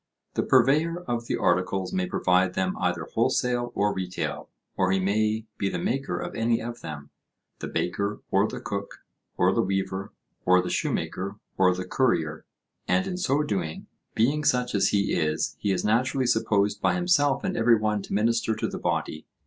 The purveyor of the articles may provide them either wholesale or retail, or he may be the maker of any of them,—the baker, or the cook, or the weaver, or the shoemaker, or the currier; and in so doing, being such as he is, he is naturally supposed by himself and every one to minister to the body.